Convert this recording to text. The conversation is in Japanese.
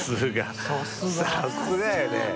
さすがやね。